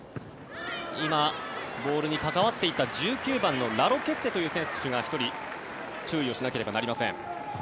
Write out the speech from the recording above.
今、ボールに関わっていった１９番のラロケッテという選手が１人注意しなければなりません。